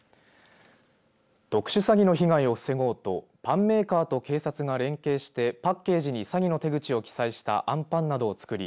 特殊詐欺の被害を防ごうとパンメーカーと警察が連携してパッケージに詐欺の手口を記載したあんパンなどを作り